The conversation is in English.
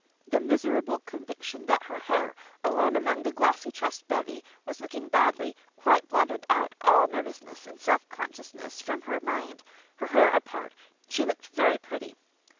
The miserable conviction that her hair, alone among that glossy tressed bevy, was looking badly, quite blotted out all nervousness and self consciousness from her mind. Her hair apart, she looked very pretty.